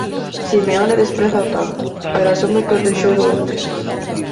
Simeone despreza o tanto, pero asume que os deixou doentes.